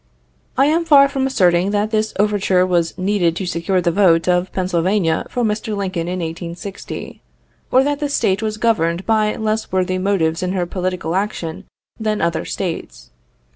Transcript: I am far from asserting that this overture was needed to secure the vote of Pennsylvania for Mr. Lincoln in 1860, or that that State was governed by less worthy motives in her political action than other States.